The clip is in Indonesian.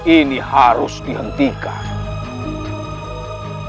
ini harus dihentikan